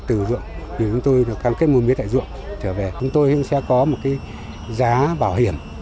từ dụng khi chúng tôi được cam kết mua mía tại dụng trở về chúng tôi cũng sẽ có một cái giá bảo hiểm